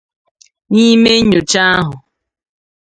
N'ime nnyocha ahụ